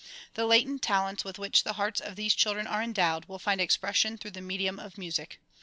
The latent talents with which the hearts of these children are endowed will find expression through the medium of music.